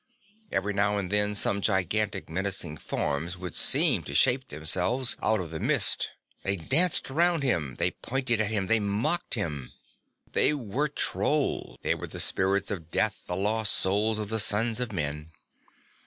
Every now and then some gigantic menacing forms would seem to shape themselves out of the mist; they danced round him, they pointed at him, they mocked him. They were trolls, they were the spirits of death, the lost souls of the sons of men.